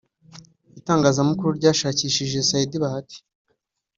itangazamakuru ryashakishije Saida Bahati